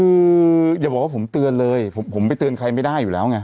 คืออย่าบอกว่าผมเตือนเลยผมไปเตือนใครไม่ได้อยู่แล้วไง